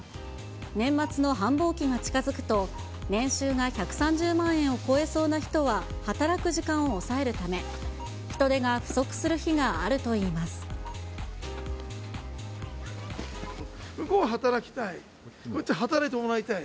年末の繁忙期が近づくと、年収が１３０万円を超えそうな人は働く時間を抑えるため、人手が向こうは働きたい、こっちは働いてもらいたい。